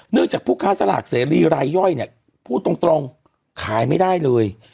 จากผู้ค้าสลากเสรีรายย่อยเนี่ยพูดตรงขายไม่ได้เลย